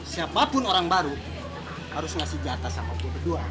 siapapun orang baru harus ngasih jatah sama waktu berdua